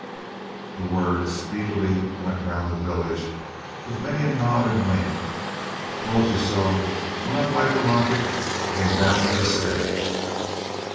The word speedily went round the village, with many a nod and wink: "Told you so! Went up like a rocket; came down like a stick."